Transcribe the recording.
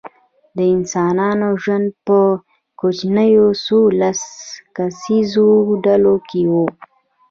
د انسانانو ژوند په کوچنیو څو لس کسیزو ډلو کې و.